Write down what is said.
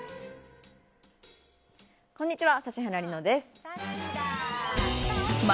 こんにちは。